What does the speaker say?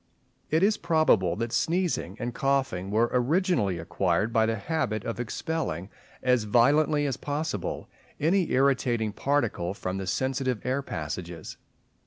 It is probable that sneezing and coughing were originally acquired by the habit of expelling, as violently as possible, any irritating particle from the sensitive air passages.